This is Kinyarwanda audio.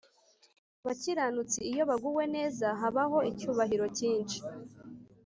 abakiranutsi iyo baguwe neza habaho icyubahiro cyinshi,